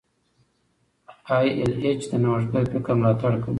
ای ایل ایچ د نوښتګر فکر ملاتړ کوي.